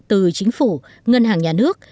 từ chính phủ ngân hàng nhà nước